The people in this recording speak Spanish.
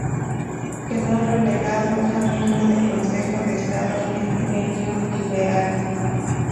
Quedó relegado a miembro del Consejo de Estado en el Trienio Liberal.